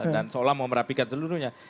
dan seolah mau merapikan seluruhnya